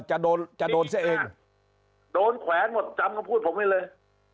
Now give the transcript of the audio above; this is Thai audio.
จะโดนจะโดนซะเองโดนแขวนหมดจำคำพูดผมไว้เลย